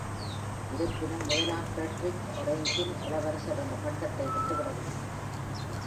இருப்பினும், முதலாம் ஃபிரடெரிக் ஆரஞ்சின் இளவரசர் என்ற பட்டத்தை விட்டுவிடவில்லை.